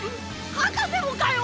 博士もかよ！